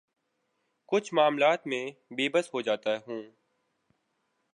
کچھ معاملات میں بے بس ہو جاتا ہوں